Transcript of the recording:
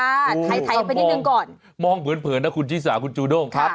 ถ่ายไปนิดนึงก่อนมองเหมือนเผลอนะคุณฮีสาคุณจูโด่งครับ